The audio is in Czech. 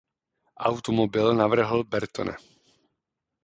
Automobil navrhl Bertone.